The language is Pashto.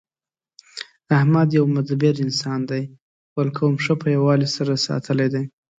احمد یو مدبر انسان دی. خپل قوم ښه په یووالي سره ساتلی دی